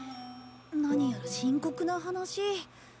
何やら深刻な話。